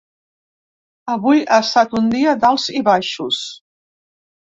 Avui ha estat un dia d’alts i baixos.